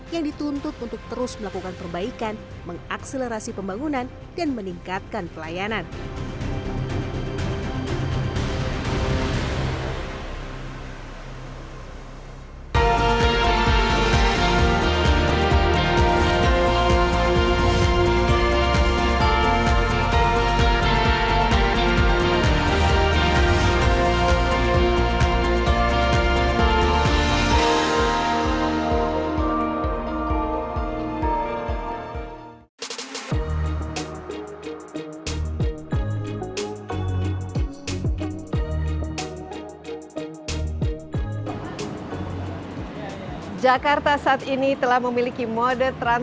yang dituntut untuk terus melakukan perbaikan mengakselerasi pembangunan dan meningkatkan pelayanan